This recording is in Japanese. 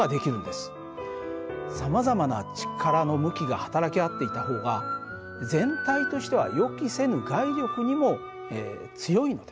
さまざまな力の向きが働き合っていた方が全体としては予期せぬ外力にも強いのです。